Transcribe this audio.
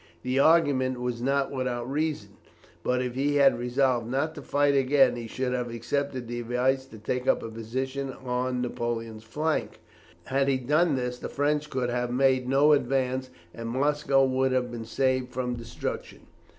The argument was not without reason; but, if he had resolved not to fight again, he should have accepted the advice to take up a position on Napoleon's flank. Had he done this, the French could have made no advance, and Moscow would have been saved from destruction.